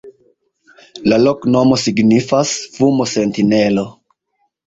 La loknomo signifas: fumo-sentinelo.